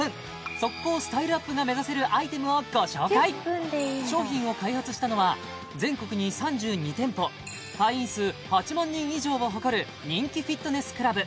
即効スタイルアップが目指せるアイテムをご紹介商品を開発したのは全国に３２店舗会員数８万人以上を誇る人気フィットネスクラブ